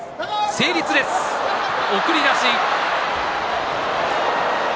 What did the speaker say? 成立です、送り出し。